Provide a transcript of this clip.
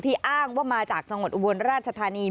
อ้างว่ามาจากจังหวัดอุบลราชธานี